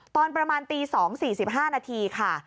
ตอนประมาณตี๒๔๕นาทีค่ะ